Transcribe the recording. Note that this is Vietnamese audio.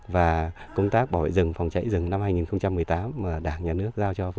và công tác bảo vệ rừng phòng cháy rừng năm hai nghìn một mươi tám mà đảng nhà nước giao cho